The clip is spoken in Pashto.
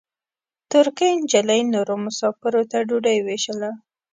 ترکۍ نجلۍ نورو مساپرو ته ډوډۍ وېشله.